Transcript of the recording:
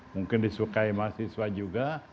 mungkin disukai mahasiswa juga